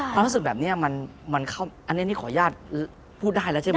ความรู้สึกแบบนี้มันอันนี้ขออนุญาตพูดได้แล้วใช่ไหม